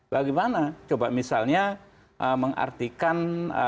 bagaimana coba misalnya mengartikan